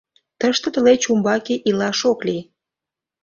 Тыште тылеч умбаке илаш ок лий...